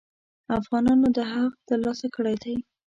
افغانانو دغه حق تر لاسه کړی دی.